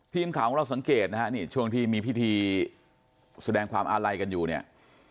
ทีมข่าวของเราสังเกตนะฮะนี่ช่วงที่มีพิธีแสดงความอาลัยกันอยู่เนี่ย